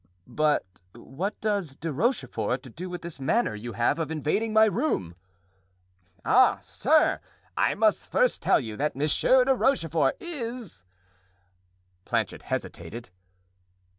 "But what has De Rochefort to do with this manner you have of invading my room?" "Ah, sir! I must first tell you that Monsieur de Rochefort is——" Planchet hesitated.